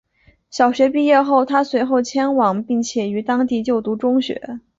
小学毕业后她随后迁往并且于当地就读中学。